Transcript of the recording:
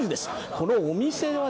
このお店は